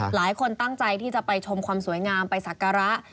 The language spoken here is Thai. หลายคนตั้งใจที่จะไปชมความสวยงามไปสักการะ